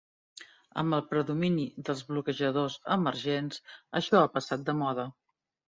Amb el predomini dels bloquejadors emergents, això ha passat de moda.